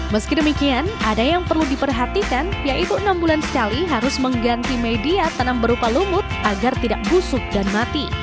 meski demikian ada yang perlu diperhatikan yaitu enam bulan sekali harus mengganti media tanam berupa lumut agar tidak busuk dan mati